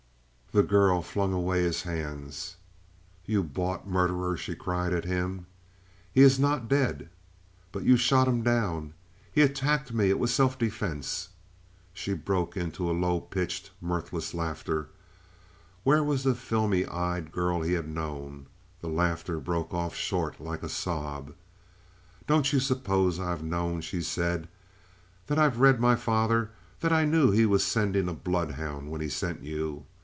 The girl flung away his hands. "You bought murderer!" she cried at him. "He is not dead." "But you shot him down!" "He attacked me; it was self defense." She broke into a low pitched, mirthless laughter. Where was the filmy eyed girl he had known? The laughter broke off short like a sob. "Don't you suppose I've known?" she said. "That I've read my father? That I knew he was sending a bloodhound when he sent you?